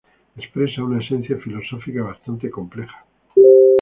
Expresa una esencia filosófica bastante compleja.